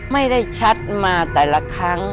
ไม่ได้ชัดมาแต่ละครั้ง